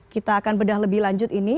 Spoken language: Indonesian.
kita akan bedah lebih lanjut ini